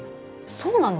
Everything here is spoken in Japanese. そうなの？